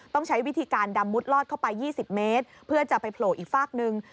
ต้องใช้วิธีการดำมุดลอดเข้าไป๒๐เมตรเพื่อจะไปโผล่อีกฝากหนึ่ง